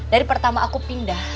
dari pertama aku pindah